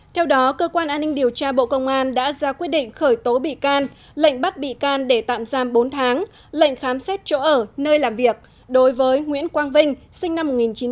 theo đó cơ quan an ninh điều tra bộ công an đã ra quyết định khởi tố bị can lệnh bắt bị can để tạm giam bốn tháng lệnh khám xét chỗ ở nơi làm việc đối với nguyễn quang vinh sinh năm một nghìn chín trăm tám mươi